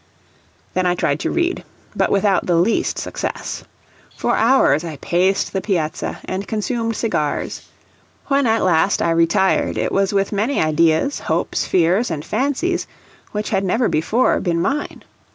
Then I tried to read, but without the least success. For hours I paced the piazza and consumed cigars; when at last I retired it was with many ideas, hopes, fears, and fancies which had never before been mine.